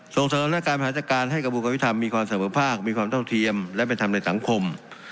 ส่งเสริมและการบริหารจัดการให้กระบวนการวิทธรรมมีความเสมอภาคมีความเท่าเทียมและเป็นธรรมในสังคม